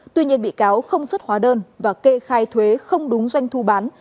tuy nhiên bị cáo không xuất hóa đơn và kê khai thuế không đúng doanh thu bán